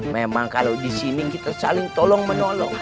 memang kalau di sini kita saling tolong menolong